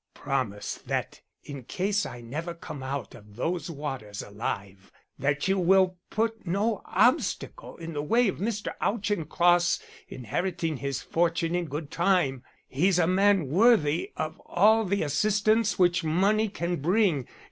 Promise that in case I never come out of those waters alive, that you will put no obstacle in the way of Mr. Auchincloss inheriting his fortune in good time. He's a man worthy of all the assistance which money can bring.